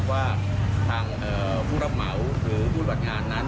ว่าทางผู้รับเหมาหรือผู้หูการจับบัตรนั้น